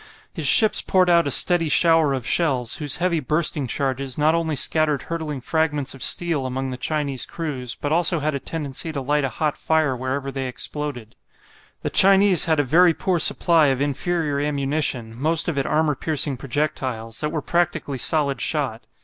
His ships poured out a steady shower of shells, whose heavy bursting charges not only scattered hurtling fragments of steel among the Chinese crews, but also had a tendency to light a hot fire wherever they exploded. The Chinese had a very poor supply of inferior ammunition, most of it armour piercing projectiles, that were practically solid shot.